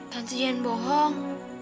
tante jangan bohong